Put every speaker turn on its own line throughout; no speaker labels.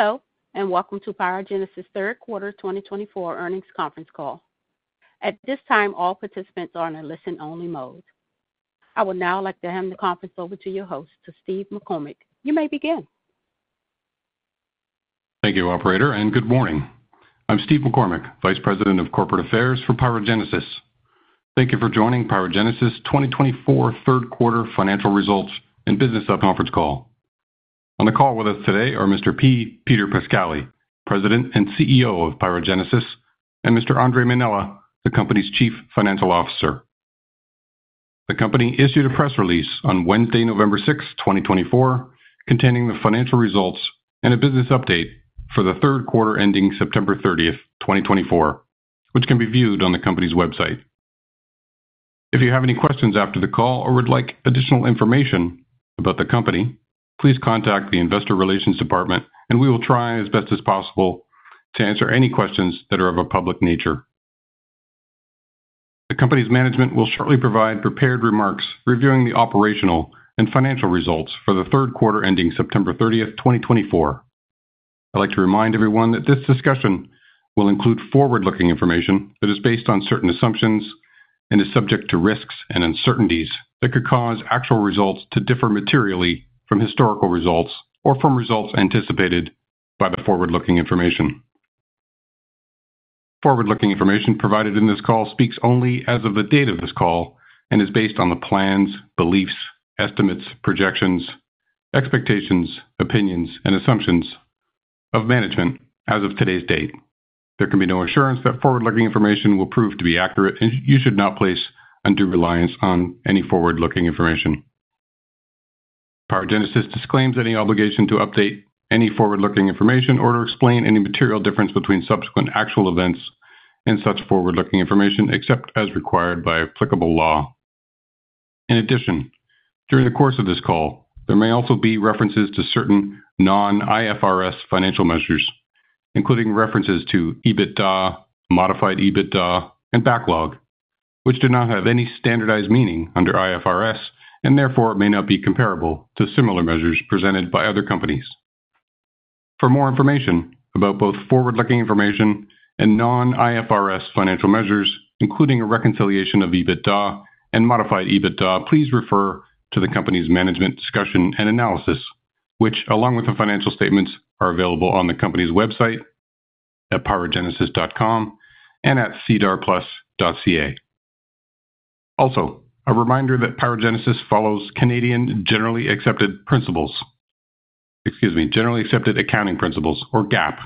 Hello, and welcome to PyroGenesis Q3 2024 earnings conference call. At this time, all participants are in a listen-only mode. I would now like to hand the conference over to your host, Steve McCormick. You may begin.
Thank you, Operator, and good morning. I'm Steve McCormick, Vice President of Corporate Affairs for PyroGenesis. Thank you for joining PyroGenesis 2024 Q3 financial results and business conference call. On the call with us today are Mr. P. Peter Pascali, President and CEO of PyroGenesis, and Mr. Andre Mainella, the company's Chief Financial Officer. The company issued a press release on Wednesday, November 6, 2024, containing the financial results and a business update for Q3 ending September 30, 2024, which can be viewed on the company's website. If you have any questions after the call or would like additional information about the company, please contact the Investor Relations Department, and we will try as best as possible to answer any questions that are of a public nature. The company's management will shortly provide prepared remarks reviewing the operational and financial results for Q3 ending September 30, 2024. I'd like to remind everyone that this discussion will include forward-looking information that is based on certain assumptions and is subject to risks and uncertainties that could cause actual results to differ materially from historical results or from results anticipated by the forward-looking information. Forward-looking information provided in this call speaks only as of the date of this call and is based on the plans, beliefs, estimates, projections, expectations, opinions, and assumptions of management as of today's date. There can be no assurance that forward-looking information will prove to be accurate, and you should not place undue reliance on any forward-looking information. PyroGenesis disclaims any obligation to update any forward-looking information or to explain any material difference between subsequent actual events in such forward-looking information, except as required by applicable law. In addition, during the course of this call, there may also be references to certain non-IFRS financial measures, including references to EBITDA, modified EBITDA, and backlog, which do not have any standardized meaning under IFRS and therefore may not be comparable to similar measures presented by other companies. For more information about both forward-looking information and non-IFRS financial measures, including a reconciliation of EBITDA and modified EBITDA, please refer to the company's management discussion and analysis, which, along with the financial statements, are available on the company's website at pyrogenesis.com and at SEDAR+.ca. Also, a reminder that PyroGenesis follows Canadian Generally Accepted Principles, excuse me, Generally Accepted Accounting Principles, or GAAP,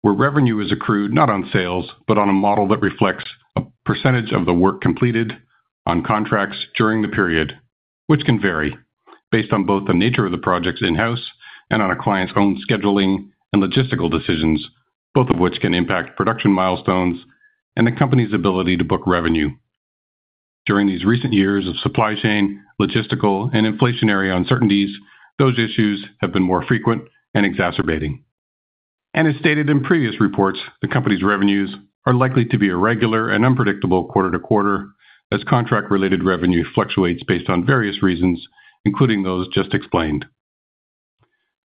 where revenue is accrued not on sales but on a model that reflects a percentage of the work completed on contracts during the period, which can vary based on both the nature of the projects in-house and on a client's own scheduling and logistical decisions, both of which can impact production milestones and the company's ability to book revenue. During these recent years of supply chain, logistical, and inflationary uncertainties, those issues have been more frequent and exacerbating, and as stated in previous reports, the company's revenues are likely to be irregular and unpredictable quarter to quarter as contract-related revenue fluctuates based on various reasons, including those just explained.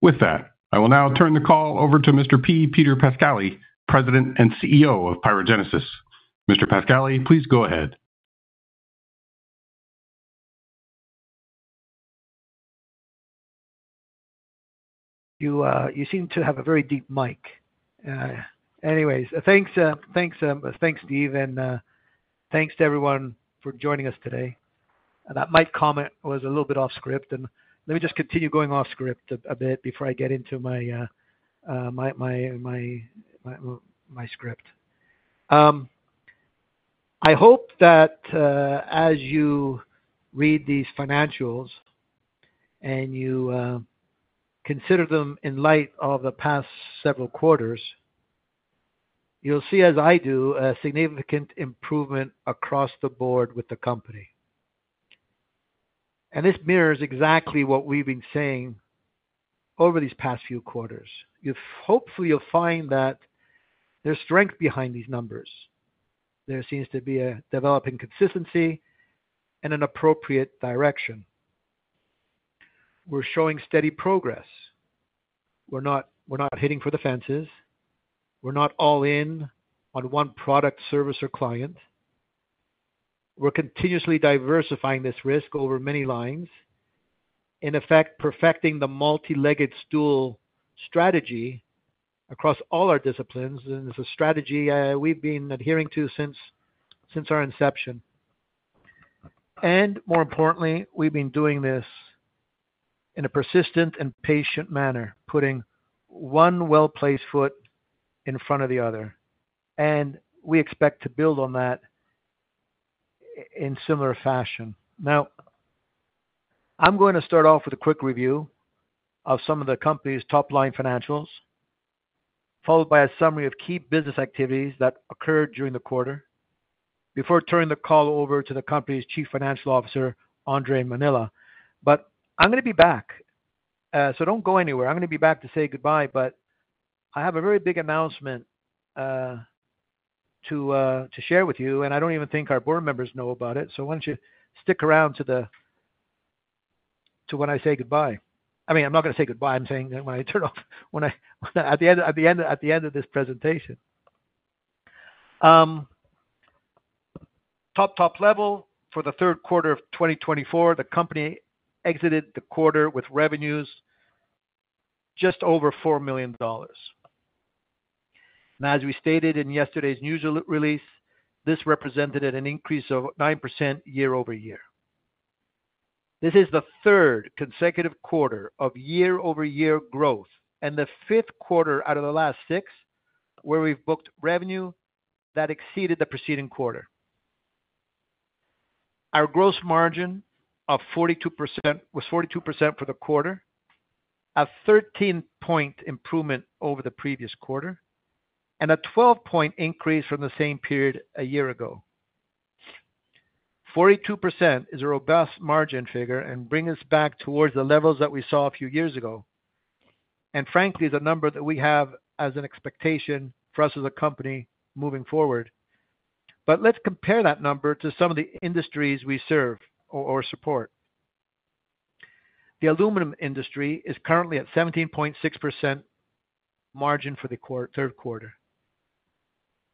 With that, I will now turn the call over to Mr. P. Peter Pascali, President and CEO of PyroGenesis. Mr. Pascali, please go ahead.
You seem to have a very deep mic. Anyways, thanks, thanks, Steve, and thanks to everyone for joining us today. That mic comment was a little bit off script, and let me just continue going off script a bit before I get into my script. I hope that as you read these financials and you consider them in light of the past several quarters, you'll see, as I do, a significant improvement across the board with the company, and this mirrors exactly what we've been saying over these past few quarters. Hopefully, you'll find that there's strength behind these numbers. There seems to be a developing consistency and an appropriate direction. We're showing steady progress. We're not hitting for the fences. We're not all in on one product, service, or client. We're continuously diversifying this risk over many lines, in effect perfecting the multi-legged stool strategy across all our disciplines. And it's a strategy we've been adhering to since our inception. And more importantly, we've been doing this in a persistent and patient manner, putting one well-placed foot in front of the other. And we expect to build on that in similar fashion. Now, I'm going to start off with a quick review of some of the company's top-line financials, followed by a summary of key business activities that occurred during the quarter before turning the call over to the company's Chief Financial Officer, Andre Mainella. But I'm going to be back, so don't go anywhere. I'm going to be back to say goodbye, but I have a very big announcement to share with you, and I don't even think our board members know about it, so why don't you stick around to when I say goodbye? I mean, I'm not going to say goodbye. I'm saying when I turn off at the end of this presentation. Top-level, for Q3 of 2024, the company exited the quarter with revenues just over 4 million dollars. And as we stated in yesterday's news release, this represented an increase of 9% year over year. This is the third consecutive quarter of year-over-year growth and the fifth quarter out of the last six where we've booked revenue that exceeded the preceding quarter. Our gross margin was 42% for the quarter, a 13-point improvement over the previous quarter, and a 12-point increase from the same period a year ago. 42% is a robust margin figure and brings us back towards the levels that we saw a few years ago, and frankly, is a number that we have as an expectation for us as a company moving forward. But let's compare that number to some of the industries we serve or support. The aluminum industry is currently at 17.6% margin for Q3.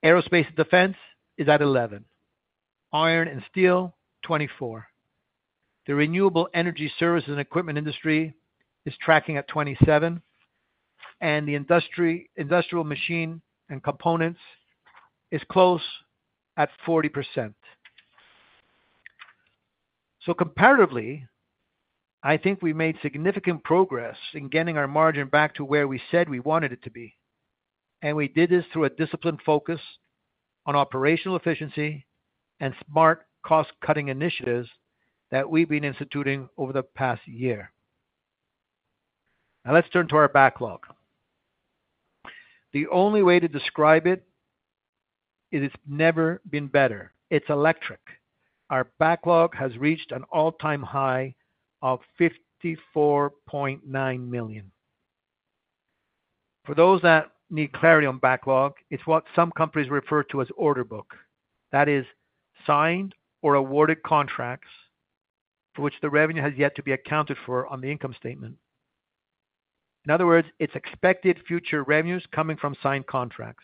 Aerospace and defense is at 11%. Iron and steel, 24%. The renewable energy services and equipment industry is tracking at 27%, and the industrial machine and components is close at 40%, so comparatively, I think we've made significant progress in getting our margin back to where we said we wanted it to be, and we did this through a disciplined focus on operational efficiency and smart cost-cutting initiatives that we've been instituting over the past year. Now, let's turn to our backlog. The only way to describe it is it's never been better. It's electric. Our backlog has reached an all-time high of 54.9 million. For those that need clarity on backlog, it's what some companies refer to as order book. That is, signed or awarded contracts for which the revenue has yet to be accounted for on the income statement. In other words, it's expected future revenues coming from signed contracts.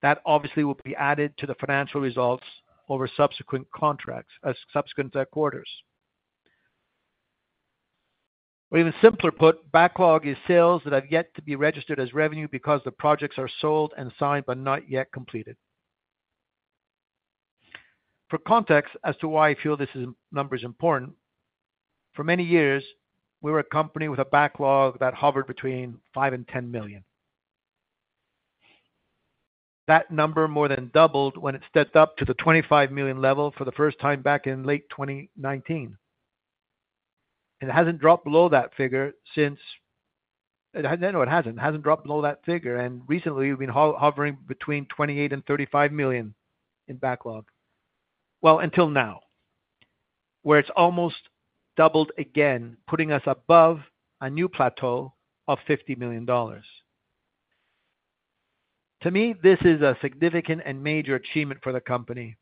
That obviously will be added to the financial results over subsequent quarters. Or even simply put, backlog is sales that have yet to be registered as revenue because the projects are sold and signed but not yet completed. For context as to why I feel this number is important, for many years, we were a company with a backlog that hovered between 5million and 10 million. That number more than doubled when it stepped up to the 25 million level for the first time back in late 2019. And it hasn't dropped below that figure since. No, it hasn't. And recently, we've been hovering between 28 million and 35 million in backlog. Until now, where it's almost doubled again, putting us above a new plateau of 50 million dollars. To me, this is a significant and major achievement for the company.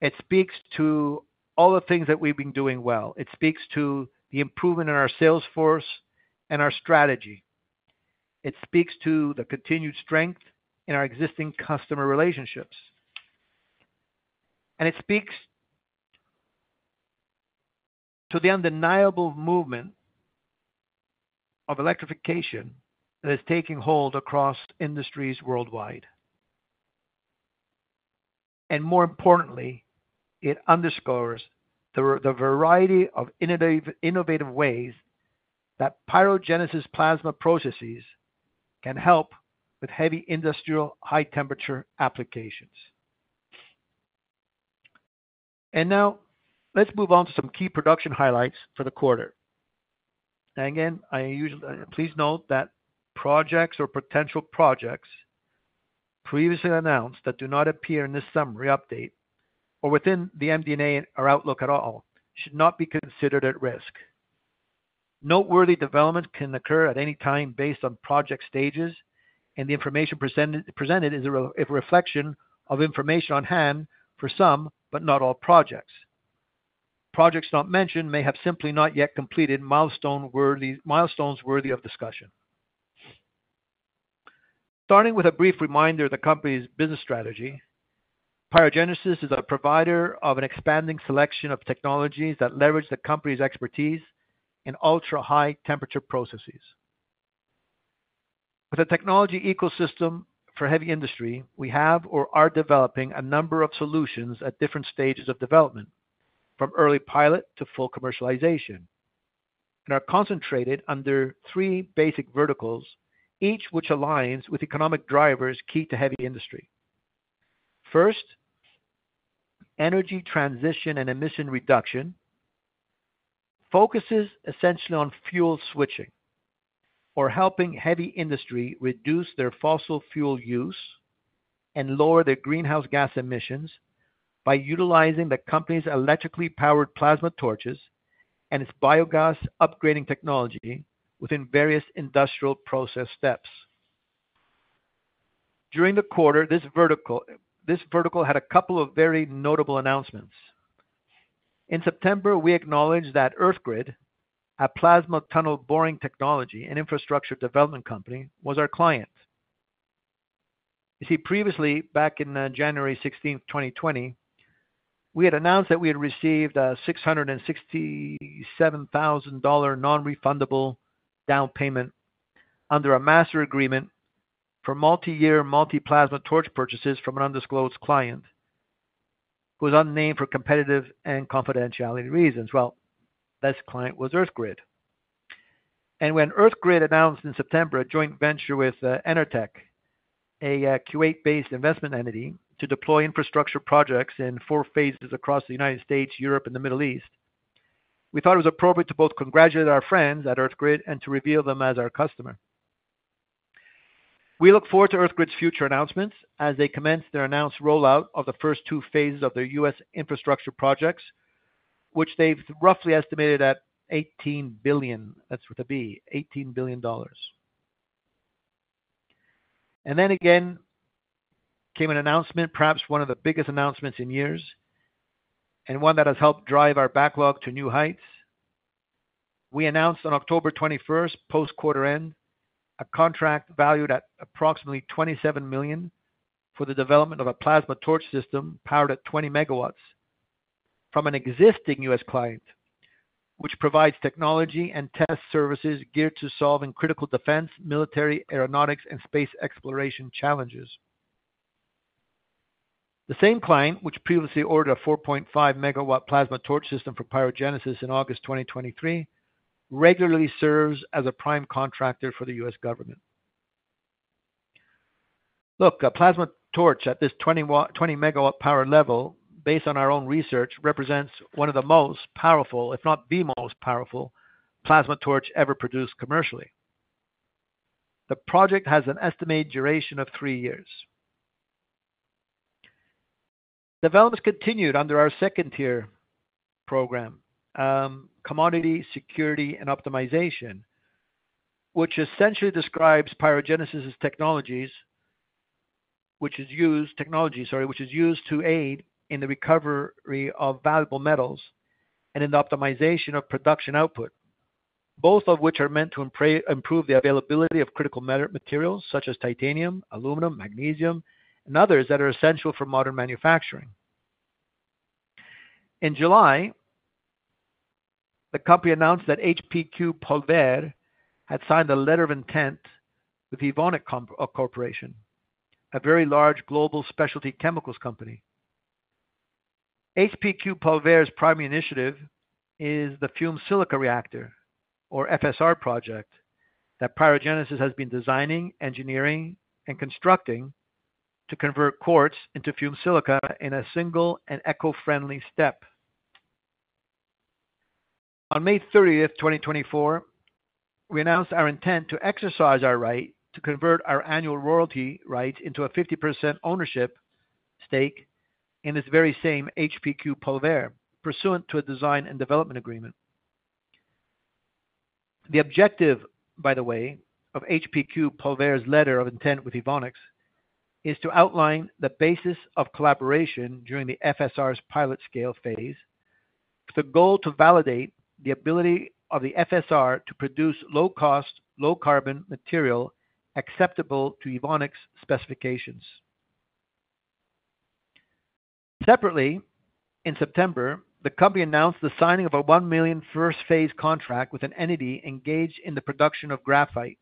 It speaks to all the things that we've been doing well. It speaks to the improvement in our sales force and our strategy. It speaks to the continued strength in our existing customer relationships. It speaks to the undeniable movement of electrification that is taking hold across industries worldwide. More importantly, it underscores the variety of innovative ways that PyroGenesis plasma processes can help with heavy industrial high-temperature applications. Now, let's move on to some key production highlights for the quarter. Again, please note that projects or potential projects previously announced that do not appear in this summary update or within the MD&A or Outlook at all should not be considered at risk. Noteworthy developments can occur at any time based on project stages, and the information presented is a reflection of information on hand for some, but not all projects. Projects not mentioned may have simply not yet completed milestones worthy of discussion. Starting with a brief reminder of the company's business strategy, PyroGenesis is a provider of an expanding selection of technologies that leverage the company's expertise in ultra-high-temperature processes. With a technology ecosystem for heavy industry, we have or are developing a number of solutions at different stages of development, from early pilot to full commercialization, and are concentrated under three basic verticals, each which aligns with economic drivers key to heavy industry. First, energy transition and emission reduction focuses essentially on fuel switching or helping heavy industry reduce their fossil fuel use and lower their greenhouse gas emissions by utilizing the company's electrically powered plasma torches and its biogas upgrading technology within various industrial process steps. During the quarter, this vertical had a couple of very notable announcements. In September, we acknowledged that EarthGrid, a plasma tunnel boring technology and infrastructure development company, was our client. You see, previously, back in January 16, 2020, we had announced that we had received a $667,000 non-refundable down payment under a master agreement for multi-year multi-plasma torch purchases from an undisclosed client who was unnamed for competitive and confidentiality reasons. Well, this client was EarthGrid. When EarthGrid announced in September a joint venture with EnerTech, a Kuwait-based investment entity to deploy infrastructure projects in four phases across the United States, Europe, and the Middle East, we thought it was appropriate to both congratulate our friends at EarthGrid and to reveal them as our customer. We look forward to EarthGrid's future announcements as they commence their announced rollout of the first two phases of their US infrastructure projects, which they've roughly estimated at $18 billion. That's with a B, $18 billion. Then again came an announcement, perhaps one of the biggest announcements in years and one that has helped drive our backlog to new heights. We announced on October 21, post-quarter end, a contract valued at approximately $27 million for the development of a plasma torch system powered at 20 MW from an existing U.S. client, which provides technology and test services geared to solving critical defense, military, aeronautics, and space exploration challenges. The same client, which previously ordered a 4.5 MW plasma torch system for PyroGenesis in August 2023, regularly serves as a prime contractor for the U.S. government. Look, a plasma torch at this 20 MW power level, based on our own research, represents one of the most powerful, if not the most powerful, plasma torch ever produced commercially. The project has an estimated duration of three years. Developments continued under our second-tier program, Commodity Security and Optimization, which essentially describes PyroGenesis's technologies, which is used to aid in the recovery of valuable metals and in the optimization of production output, both of which are meant to improve the availability of critical materials such as titanium, aluminum, magnesium, and others that are essential for modern manufacturing. In July, the company announced that HPQ Polvere had signed a letter of intent with Evonik Corporation, a very large global specialty chemicals company. HPQ Polvere's primary initiative is the fumed silica reactor, or FSR project, that PyroGenesis has been designing, engineering, and constructing to convert quartz into fumed silica in a single and eco-friendly step. On May 30, 2024, we announced our intent to exercise our right to convert our annual royalty rights into a 50% ownership stake in this very same HPQ Polvere, pursuant to a design and development agreement. The objective, by the way, of HPQ Polvere's letter of intent with Evonik is to outline the basis of collaboration during the FSR's pilot scale phase, with the goal to validate the ability of the FSR to produce low-cost, low-carbon material acceptable to Evonik's specifications. Separately, in September, the company announced the signing of a 1 million first phase contract with an entity engaged in the production of graphite,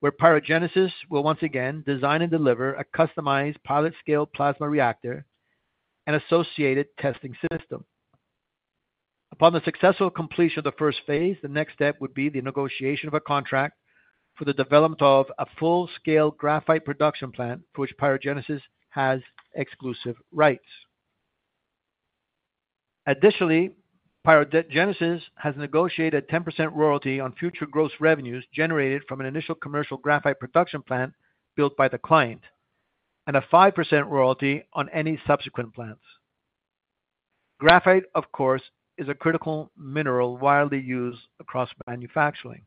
where PyroGenesis will once again design and deliver a customized pilot scale plasma reactor and associated testing system. Upon the successful completion of the first phase, the next step would be the negotiation of a contract for the development of a full-scale graphite production plant for which PyroGenesis has exclusive rights. Additionally, PyroGenesis has negotiated a 10% royalty on future gross revenues generated from an initial commercial graphite production plant built by the client and a 5% royalty on any subsequent plants. Graphite, of course, is a critical mineral widely used across manufacturing,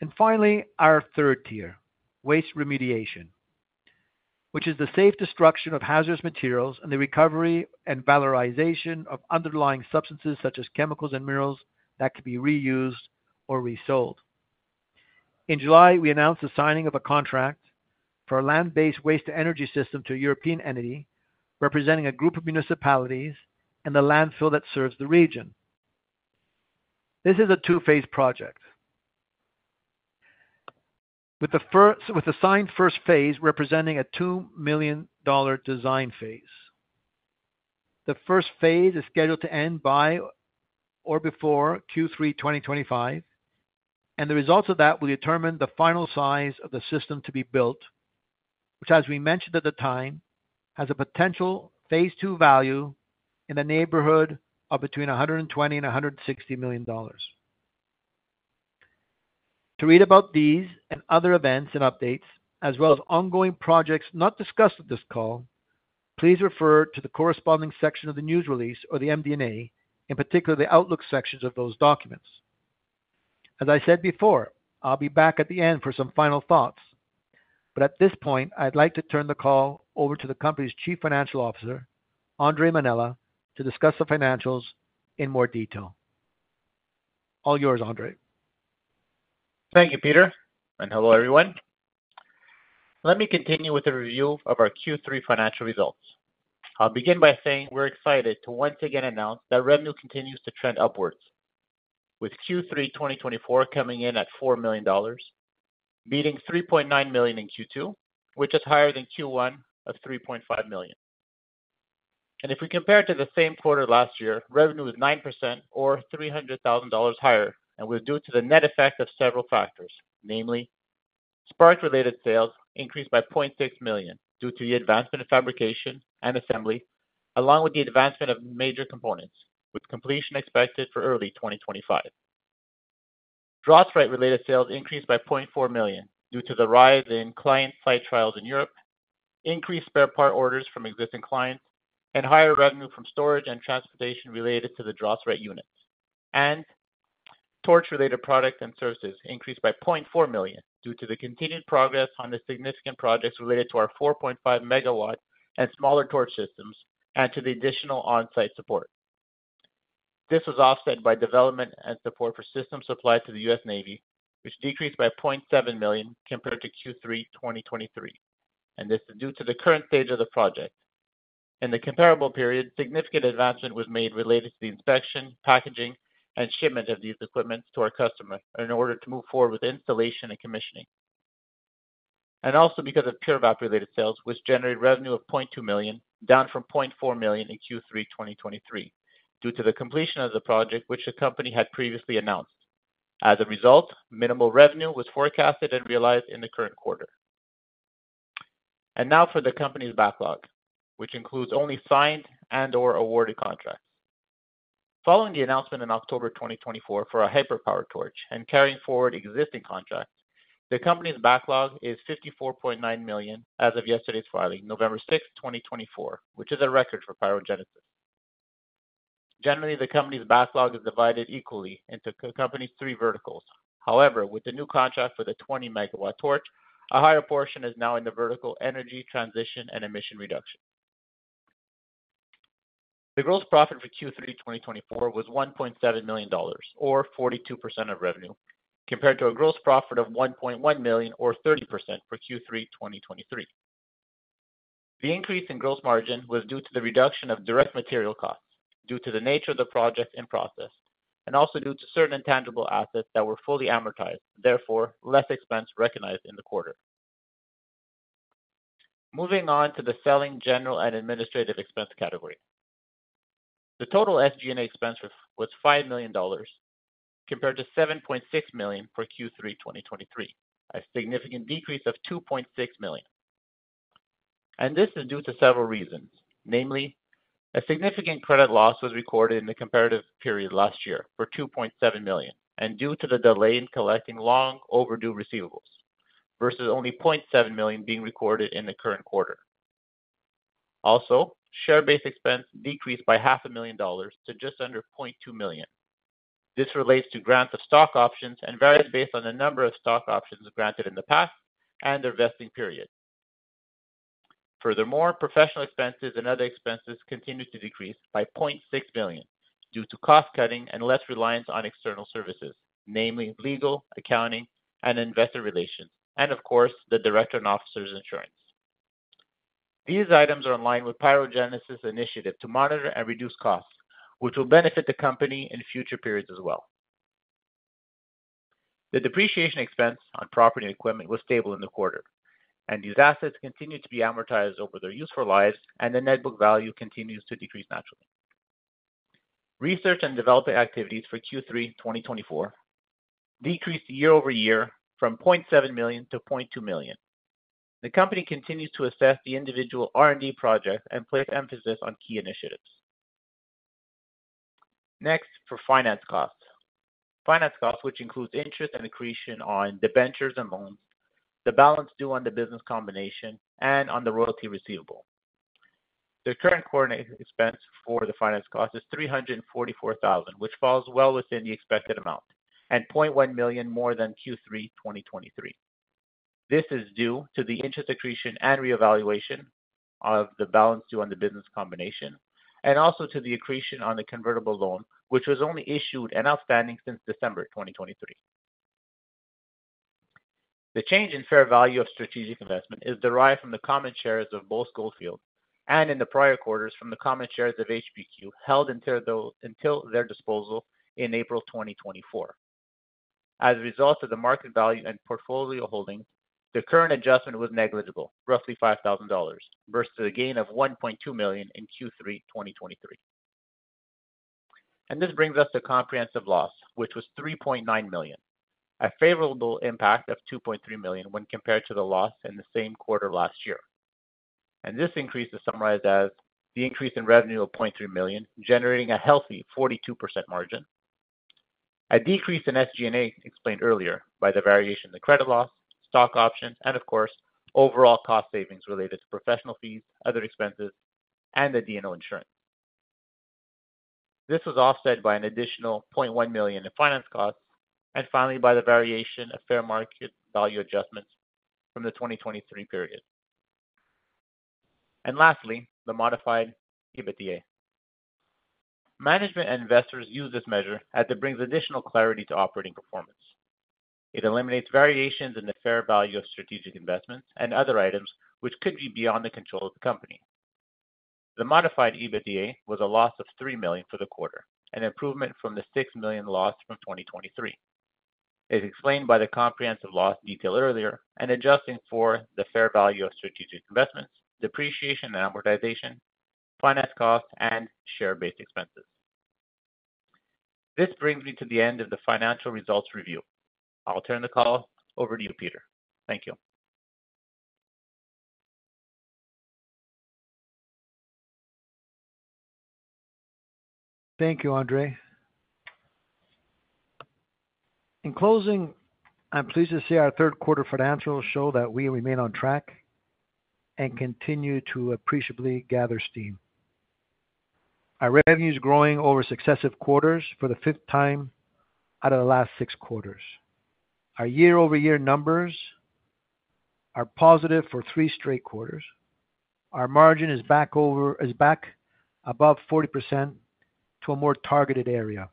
and finally, our third tier, waste remediation, which is the safe destruction of hazardous materials and the recovery and valorization of underlying substances such as chemicals and minerals that could be reused or resold. In July, we announced the signing of a contract for a land-based waste-to-energy system to a European entity representing a group of municipalities and the landfill that serves the region. This is a two-phase project, with the signed first phase representing a 2 million dollar design phase. The first phase is scheduled to end by or before Q3 2025, and the results of that will determine the final size of the system to be built, which, as we mentioned at the time, has a potential phase two value in the neighborhood of between 120 and 160 million dollars. To read about these and other events and updates, as well as ongoing projects not discussed at this call, please refer to the corresponding section of the news release or the MD&A, in particular the Outlook sections of those documents. As I said before, I'll be back at the end for some final thoughts. But at this point, I'd like to turn the call over to the company's Chief Financial Officer, Andre Mainella, to discuss the financials in more detail. All yours, Andre.
Thank you, Peter, and hello, everyone. Let me continue with the review of our Q3 financial results. I'll begin by saying we're excited to once again announce that revenue continues to trend upwards, with Q3 2024 coming in at $4 million, beating $3.9 million in Q2, which is higher than Q1 of $3.5 million, and if we compare it to the same quarter last year, revenue was 9% or $300,000 higher, and was due to the net effect of several factors, namely, SPARC-related sales increased by $0.6 million due to the advancement of fabrication and assembly, along with the advancement of major components, with completion expected for early 2025. DROSRITE-related sales increased by $0.4 million due to the rise in client-side trials in Europe, increased spare part orders from existing clients, and higher revenue from storage and transportation related to the DROSRITE units. Torch-related products and services increased by 0.4 million due to the continued progress on the significant projects related to our 4.5 MW and smaller torch systems and to the additional on-site support. This was offset by development and support for systems supplied to the U.S. Navy, which decreased by 0.7 million compared to Q3 2023. This is due to the current stage of the project. In the comparable period, significant advancement was made related to the inspection, packaging, and shipment of this equipment to our customer in order to move forward with installation and commissioning. Also because of PUREVAP-related sales, which generated revenue of 0.2 million, down from 0.4 million in Q3 2023 due to the completion of the project which the company had previously announced. As a result, minimal revenue was forecasted and realized in the current quarter. And now for the company's backlog, which includes only signed and/or awarded contracts. Following the announcement in October 2024 for a hyperpower torch and carrying forward existing contracts, the company's backlog is 54.9 million as of yesterday's filing, November 6, 2024, which is a record for PyroGenesis. Generally, the company's backlog is divided equally into the company's three verticals. However, with the new contract for the 20 MW torch, a higher portion is now in the vertical energy, transition, and emission reduction. The gross profit for Q3 2024 was 1.7 million dollars, or 42% of revenue, compared to a gross profit of 1.1 million, or 30% for Q3 2023. The increase in gross margin was due to the reduction of direct material costs due to the nature of the project and process, and also due to certain intangible assets that were fully amortized, therefore less expense recognized in the quarter. Moving on to the selling general and administrative expense category. The total SG&A expense was 5 million dollars, compared to 7.6 million for Q3 2023, a significant decrease of 2.6 million. And this is due to several reasons, namely, a significant credit loss was recorded in the comparative period last year for 2.7 million, and due to the delay in collecting long overdue receivables versus only 0.7 million being recorded in the current quarter. Also, share-based expense decreased by 500,000 dollars to just under 0.2 million. This relates to grants of stock options and varies based on the number of stock options granted in the past and their vesting period. Furthermore, professional expenses and other expenses continued to decrease by 0.6 million due to cost cutting and less reliance on external services, namely legal, accounting, and investor relations, and of course, the director and officer's insurance. These items are in line with PyroGenesis' initiative to monitor and reduce costs, which will benefit the company in future periods as well. The depreciation expense on property and equipment was stable in the quarter, and these assets continue to be amortized over their useful lives, and the net book value continues to decrease naturally. Research and development activities for Q3 2024 decreased year over year from 0.7 million - 0.2 million. The company continues to assess the individual R&D projects and place emphasis on key initiatives. Next, for finance costs. Finance costs, which includes interest and accretion on debentures and loans, the balance due on the business combination, and on the royalty receivable. The current quarter expense for the finance cost is 344,000, which falls well within the expected amount, and 0.1 million more than Q3 2023. This is due to the interest accretion and reevaluation of the balance due on the business combination, and also to the accretion on the convertible loan, which was only issued and outstanding since December 2023. The change in fair value of strategic investment is derived from the common shares of both Goldfield and, in the prior quarters, from the common shares of HPQ held until their disposal in April, 2024. As a result of the market value and portfolio holding, the current adjustment was negligible, roughly $5,000, versus the gain of $1.2 million in Q3 2023, and this brings us to comprehensive loss, which was $3.9 million, a favorable impact of $2.3 million when compared to the loss in the same quarter last year. This increase is summarized as the increase in revenue of 0.3 million, generating a healthy 42% margin, a decrease in SG&A explained earlier by the variation in the credit loss, stock options, and, of course, overall cost savings related to professional fees, other expenses, and the D&O insurance. This was offset by an additional 0.1 million in finance costs, and finally, by the variation of fair market value adjustments from the 2023 period. Lastly, the Modified EBITDA. Management and investors use this measure as it brings additional clarity to operating performance. It eliminates variations in the fair value of strategic investments and other items which could be beyond the control of the company. The Modified EBITDA was a loss of 3 million for the quarter, an improvement from the 6 million loss from 2023. It's explained by the comprehensive loss detailed earlier, and adjusting for the fair value of strategic investments, depreciation and amortization, finance costs, and share-based expenses. This brings me to the end of the financial results review. I'll turn the call over to you, Peter. Thank you.
Thank you, Andre. In closing, I'm pleased to say our third quarter financials show that we remain on track and continue to appreciably gather steam. Our revenue is growing over successive quarters for the fifth time out of the last six quarters. Our year-over-year numbers are positive for three straight quarters. Our margin is back above 40% to a more targeted area.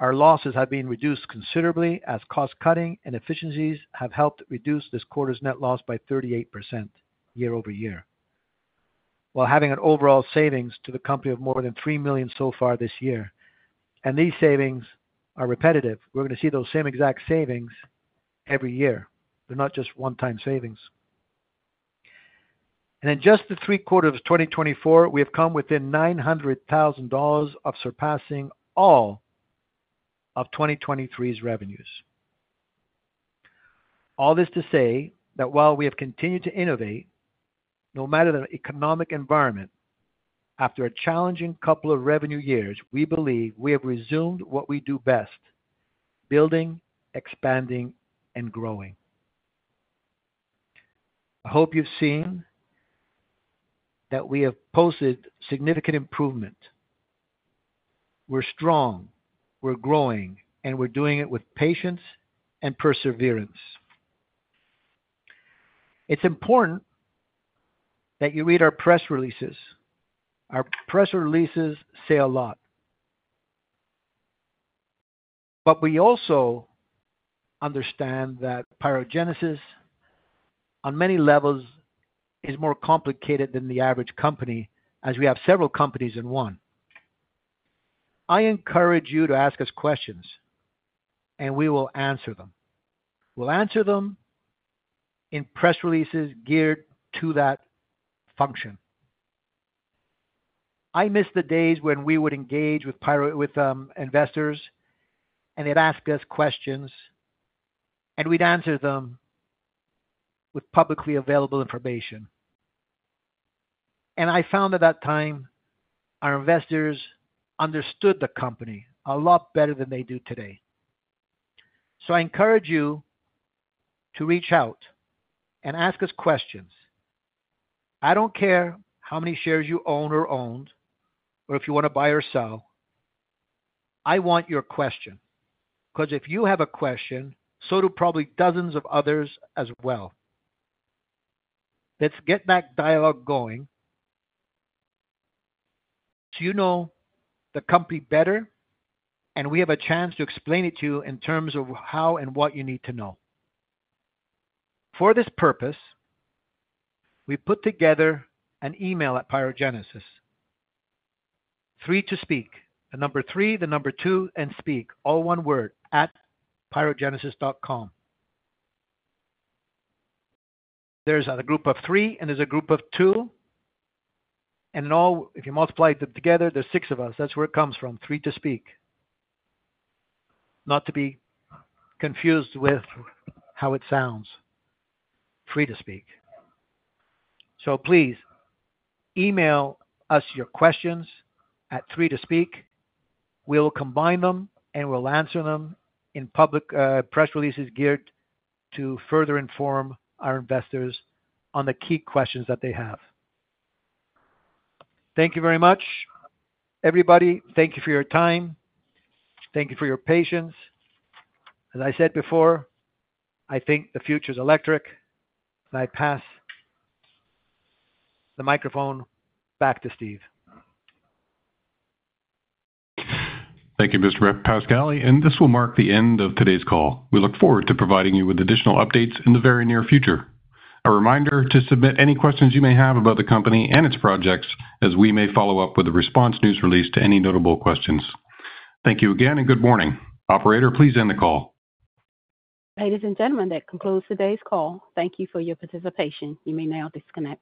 Our losses have been reduced considerably as cost cutting and efficiencies have helped reduce this quarter's net loss by 38% year over year. While having an overall savings to the company of more than 3 million so far this year, and these savings are repetitive, we're going to see those same exact savings every year. They're not just one-time savings, and in just the three quarters of 2024, we have come within 900,000 dollars of surpassing all of 2023's revenues. All this to say that while we have continued to innovate, no matter the economic environment, after a challenging couple of revenue years, we believe we have resumed what we do best: building, expanding, and growing. I hope you've seen that we have posted significant improvement. We're strong, we're growing, and we're doing it with patience and perseverance. It's important that you read our press releases. Our press releases say a lot. But we also understand that PyroGenesis, on many levels, is more complicated than the average company, as we have several companies in one. I encourage you to ask us questions, and we will answer them. We'll answer them in press releases geared to that function. I miss the days when we would engage with investors, and they'd ask us questions, and we'd answer them with publicly available information. I found at that time our investors understood the company a lot better than they do today. So I encourage you to reach out and ask us questions. I don't care how many shares you own or owned, or if you want to buy or sell. I want your question, because if you have a question, so do probably dozens of others as well. Let's get that dialogue going so you know the company better, and we have a chance to explain it to you in terms of how and what you need to know. For this purpose, we put together an email at PyroGenesis: three to speak, the number three, the number two, and speak, all one word, at pyrogenesis.com. There's a group of three, and there's a group of two, and if you multiply them together, there's six of us. That's where it comes from, three to speak. Not to be confused with how it sounds, three to speak. So please email us your questions at three to speak. We will combine them, and we'll answer them in public press releases geared to further inform our investors on the key questions that they have. Thank you very much, everybody. Thank you for your time. Thank you for your patience. As I said before, I think the future is electric. I pass the microphone back to Steve.
Thank you, Mr. Pascali, and this will mark the end of today's call. We look forward to providing you with additional updates in the very near future. A reminder to submit any questions you may have about the company and its projects, as we may follow up with a response news release to any notable questions. Thank you again, and good morning. Operator, please end the call.
Ladies and gentlemen, that concludes today's call. Thank you for your participation. You may now disconnect.